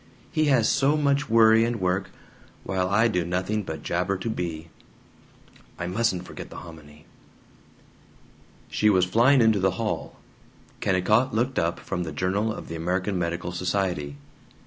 He has so much worry and work, while I do nothing but jabber to Bea. "I MUSTN'T forget the hominy " She was flying into the hall. Kennicott looked up from the Journal of the American Medical Society.